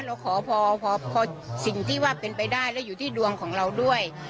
เราขอพอสิ่งที่ว่าเป็นไปได้แล้วอยู่ที่ดวงของเราด้วย